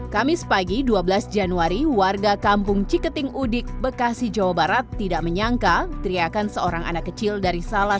kamis pagi dua belas januari warga kampung ciketing udik bekasi jawa barat tidak menyangka teriakan seorang anak kecil dari salat